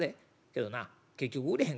けどな結局売れへんかってん。